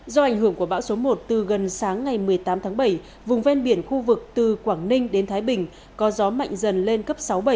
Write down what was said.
do ảnh hưởng của bão số một từ gần sáng ngày một mươi tám tháng bảy vùng ven biển khu vực từ quảng ninh đến thái bình có gió mạnh dần lên cấp sáu bảy